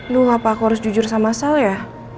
loh apa aku harus jujur sama sal ya